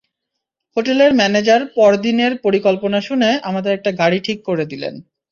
হোটেলের ম্যানেজার পরদিনের পরিকল্পনা শুনে আমাদের একটা গাড়ি ঠিক করে দিলেন।